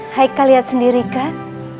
haikal liat sendiri kan